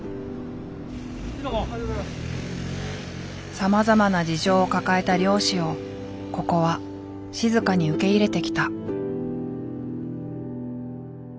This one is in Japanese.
さまざまな事情を抱えた漁師をここは静かに受け入れてきた。